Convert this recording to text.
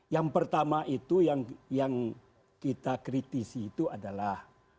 yang pertama itu yang kita kritisi itu adalah